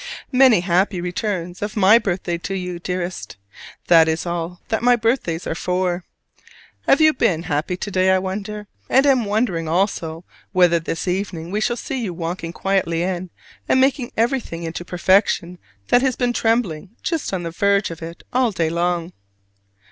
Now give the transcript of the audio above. Many happy returns of my birthday to you, dearest! That is all that my birthdays are for. Have you been happy to day, I wonder? and am wondering also whether this evening we shall see you walking quietly in and making everything into perfection that has been trembling just on the verge of it all day long.